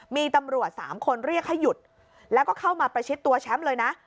มีตำรวจสามคนเรียกให้หยุดแล้วก็เข้ามาประชิดตัวแชมป์เลยนะ